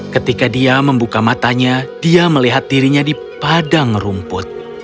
ketika dia membuka matanya dia melihat dirinya di padang rumput